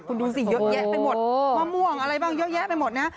คุณดูสิเยอะแยะไปหมดมะม่วงอะไรบ้างเยอะแยะไปหมดนะ